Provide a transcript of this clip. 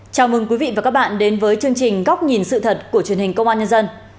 chào mừng quý vị và các bạn đến với chương trình góc nhìn sự thật của truyền hình công an nhân dân